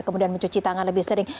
kemudian mencuci tangan lebih sering